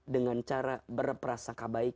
dengan cara berprasangka baik